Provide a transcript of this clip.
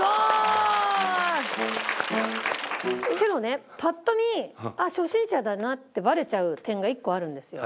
けどねパッと見初心者だなってバレちゃう点が１個あるんですよ。